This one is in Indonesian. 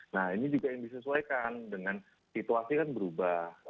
nah ini juga yang disesuaikan dengan situasi kan berubah